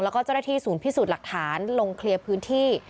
แล้วก็เจ้าหน้าที่ศูนย์พิสูจน์หลักฐานลงเคลียร์พื้นที่